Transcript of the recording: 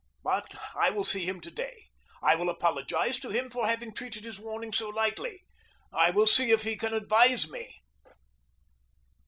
But I will see him to day. I will apologize to him for having treated his warning so lightly. I will see if he can advise me.